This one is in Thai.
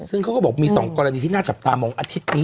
ซึ่งเขาก็บอกมี๒กรณีที่น่าจับตามองอาทิตย์นี้